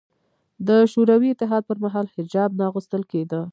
د شوروي اتحاد پر مهال حجاب نه اغوستل کېده